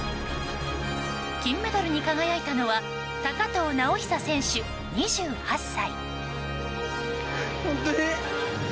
金メダルに輝いたのは高藤直寿選手、２８歳。